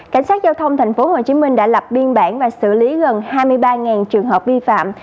cảnh sát giao thông tp hcm đã lập biên bản và xử lý gần hai mươi ba trường hợp vi phạm